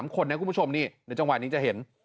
๓คนคุณผู้ชมอยู่ในจังหวัดนี้จะเห็น